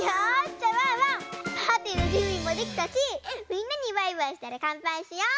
じゃあワンワンパーティーのじゅんびもできたしみんなにバイバイしたらかんぱいしよう！